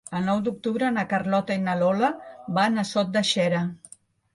El nou d'octubre na Carlota i na Lola van a Sot de Xera.